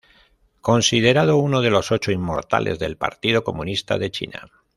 Considerado uno de los Ocho Inmortales del Partido Comunista de China.